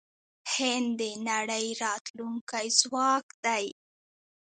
هند د نړۍ راتلونکی ځواک دی.